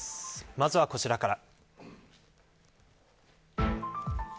まずはこちらから。